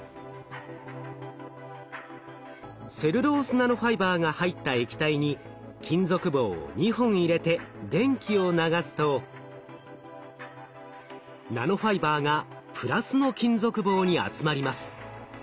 セルロースナノファイバーが入った液体に金属棒を２本入れて電気を流すとナノファイバーがプラスの金属棒に集まります。